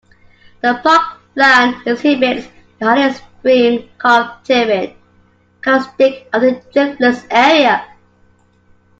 The parkland exhibits the highly stream-carved terrain characteristic of the Driftless Area.